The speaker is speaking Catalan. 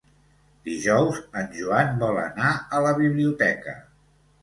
Dijous en Joan vol anar a la biblioteca.